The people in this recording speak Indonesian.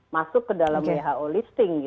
masuk ke dalam who listing